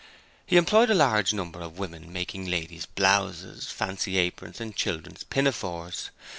He employed a large number of women making ladies' blouses, fancy aprons and children's pinafores.